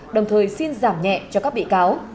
đồng thời xin giảm nhẹ cho các bị cáo